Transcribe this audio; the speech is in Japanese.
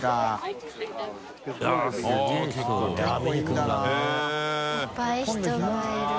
いっぱい人がいる。